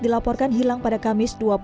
dilaporkan hilang pada kamis